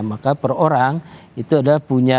maka per orang itu adalah punya